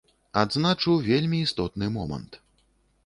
Адзначу вельмі істотны момант.